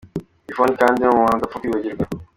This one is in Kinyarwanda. Yvonne kandi ni umuntu udapfa kwibagirwa.